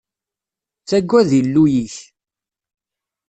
Ttagad Illu-ik.